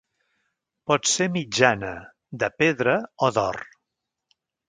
Pot ser mitjana, de pedra o d'or.